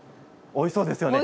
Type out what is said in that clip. おいしそうですよね。